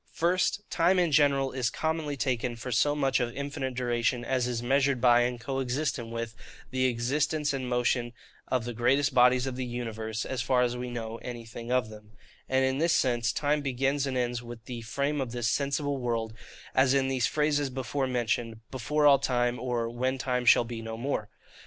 FIRST, Time in general is commonly taken for so much of infinite duration as is measured by, and co existent with, the existence and motions of the great bodies of the universe, as far as we know anything of them: and in this sense time begins and ends with the frame of this sensible world, as in these phrases before mentioned, 'Before all time,' or, 'When time shall be no more.